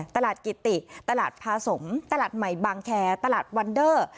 ตลาดกิติตลาดพาสมตลาดใหม่บางแคร์ตลาดวันเดอร์